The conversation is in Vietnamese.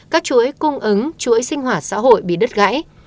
các chuỗi cung ứng chuỗi sinh hoạt xã hội bị đứt gãy